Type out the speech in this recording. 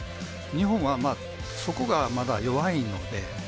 日本はそこがまだ弱いので。